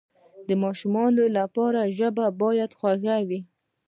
د ماشومانو لپاره ژبه باید خوږه وي.